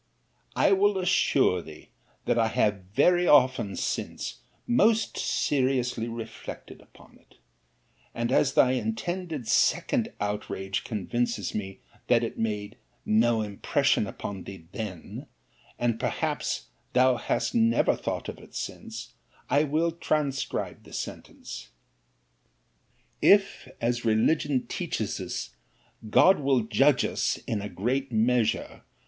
—— I will assure thee, that I have very often since most seriously reflected upon it: and as thy intended second outrage convinces me that it made no impression upon thee then, and perhaps thou hast never thought of it since, I will transcribe the sentence. 'If, as religion teaches us, God will judge us, in a great measure!